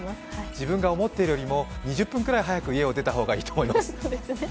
自分が思っているよりも２０分くらい早く家を出た方がいいと思います。